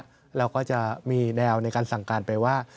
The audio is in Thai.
เราก็จะมีแนวในการสั่งการไปว่า